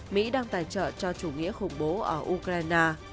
mỹ đang tài trợ cho chủ nghĩa khủng bố ở ukraine